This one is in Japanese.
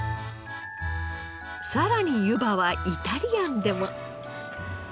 さらにゆばはイタリアンでも。